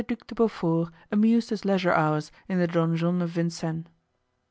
Duc de Beaufort amused his Leisure Hours in the Donjon of Vincennes.